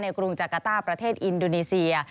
กรุงจากาต้าประเทศอินโดนีเซีย